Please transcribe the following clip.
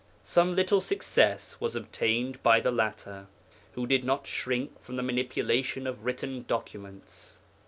Some little success was obtained by the latter, who did not shrink from the manipulation of written documents.